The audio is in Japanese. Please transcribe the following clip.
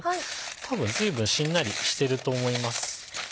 多分随分しんなりしてると思います。